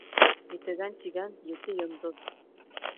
Етегән тигән ете йондоҙ